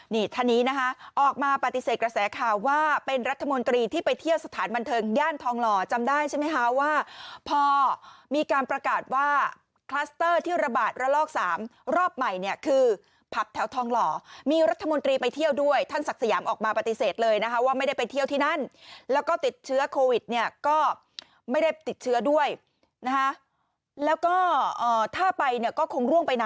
นี่ท่านนี้นะคะออกมาปฏิเสธกระแสค่าว่าเป็นรัฐมนตรีที่ไปเที่ยวสถานบันเทิงย่านทองหล่อจำได้ใช่ไหมคะว่าพอมีการประกาศว่าคลัสเตอร์ที่ระบาดระลอก๓รอบใหม่เนี่ยคือพับแถวทองหล่อมีรัฐมนตรีไปเที่ยวด้วยท่านศักดิ์สยามออกมาปฏิเสธเลยนะคะว่าไม่ได้ไปเที่ยวที่นั่นแล้วก็ติดเชื้อโควิดเนี่